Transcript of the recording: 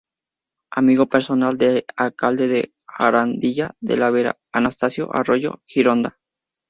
Amigo personal del alcalde de Jarandilla de la Vera, Anastasio Arroyo Gironda.